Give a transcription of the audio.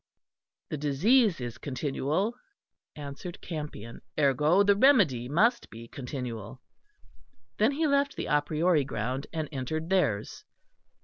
"The disease is continual," answered Campion; "ergo the remedy must be continual." Then he left the a priori ground and entered theirs.